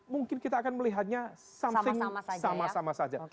mungkin kita akan melihatnya something sama sama saja